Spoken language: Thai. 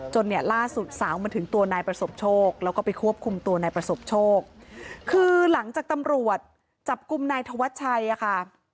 เนี่ยล่าสุดสาวมาถึงตัวนายประสบโชคแล้วก็ไปควบคุมตัวนายประสบโชคคือหลังจากตำรวจจับกลุ่มนายธวัชชัยอะค่ะ